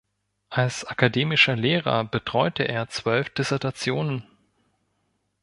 Als akademischer Lehrer betreute er zwölf Dissertationen.